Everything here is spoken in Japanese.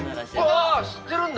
あ知ってるんだ。